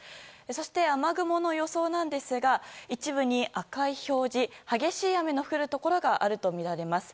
そして雨雲の予想なんですが一部に赤い表示激しい雨の降るところがあるとみられます。